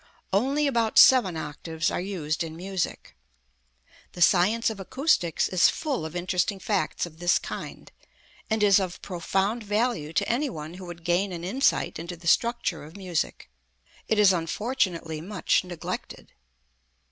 Only about seven octaves are used in music. The science of acoustics is full of interesting facts of this kind, and is of profound value to any one who would gain an insight into the structure of music. It is unfortunately much neglected.